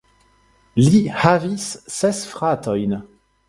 Li havis ses fratojn.